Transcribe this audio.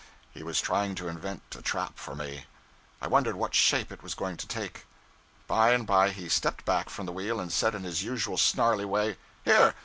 he was trying to invent a trap for me. I wondered what shape it was going to take. By and by he stepped back from the wheel and said in his usual snarly way 'Here!